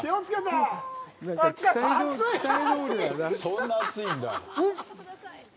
そんな熱いんだ。